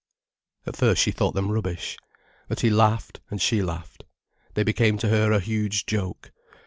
At first she thought them rubbish. But he laughed, and she laughed. They became to her a huge joke.